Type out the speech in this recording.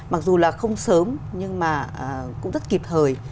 mặc dù là không sớm nhưng mà cũng rất kịp thời